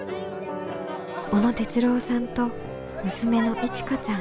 小野哲郎さんと娘のいちかちゃん。